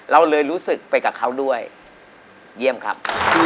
เราเลยรู้สึกไปกับเขาด้วยเยี่ยมครับ